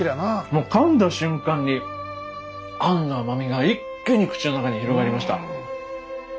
もうかんだ瞬間にあんの甘みが一気に口の中に広がりました。